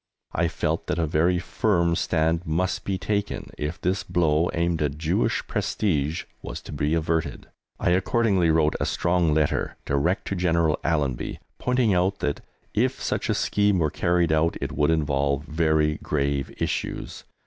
I felt that a very firm stand must be taken if this blow aimed at Jewish prestige was to be averted. I accordingly wrote a strong letter direct to General Allenby, pointing out that, if such a scheme were carried out, it would involve very grave issues.